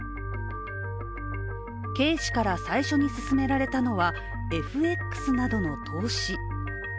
Ｋ氏から最初に勧められたのは、ＦＸなどの投資。